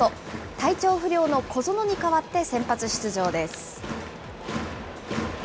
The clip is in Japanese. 体調不良の小園に代わって先発出場です。